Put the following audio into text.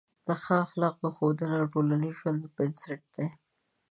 د ښه اخلاقو ښودنه د ټولنیز ژوند بنسټ دی.